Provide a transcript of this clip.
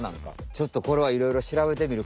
ちょっとこれはいろいろしらべてみる